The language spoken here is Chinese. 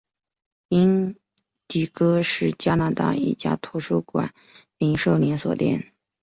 英迪戈是加拿大一家图书零售连锁店。